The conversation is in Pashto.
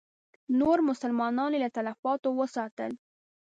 نور مسلمانان یې له تلفاتو وساتل.